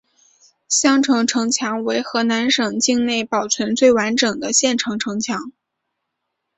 襄城城墙为河南省境内保存最完整的县城城墙。